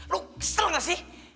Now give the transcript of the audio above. lu kesel nggak sih